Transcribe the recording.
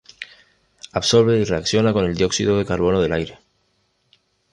Absorbe y reacciona con el dióxido de carbono del aire.